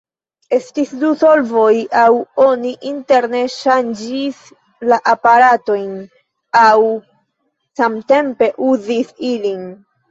Estis du solvoj, aŭ oni alterne ŝanĝis la aparatojn, aŭ samtempe uzis ilin.